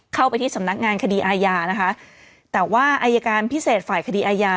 เข้าไปที่สำนักงานคดีอาญานะคะแต่ว่าอายการพิเศษฝ่ายคดีอาญา